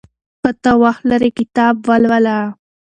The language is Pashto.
که ته وخت لرې کتاب ولوله.